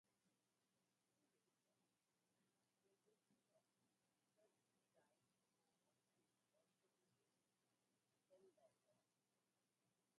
Two later generations of Curtiss dive-bombers would also be named Helldiver.